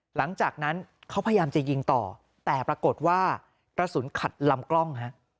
หลังจากนั้นเขาพยายามจะยิงต่อแต่ปรากฏว่ากระสุนขัดลำกล้องฮะ